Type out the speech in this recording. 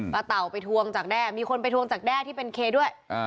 เต่าไปทวงจากแด้มีคนไปทวงจากแด้ที่เป็นเคด้วย